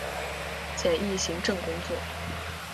简易行政工作